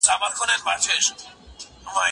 زه سبزیجات جمع کړي دي